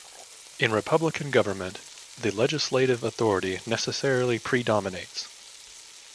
In republican government, the legislative authority necessarily predominates.